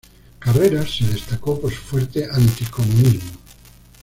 Carreras se destacó por su fuerte anticomunismo.